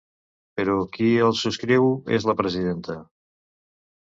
Però qui el subscriu és la presidenta.